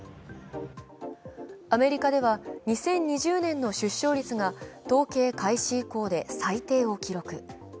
アメリカでは２０２０年の出生率が統計開始以降で最低を記録。